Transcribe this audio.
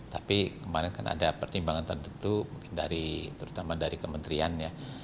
tapi kemarin kan ada pertimbangan tentu terutama dari kementerian ya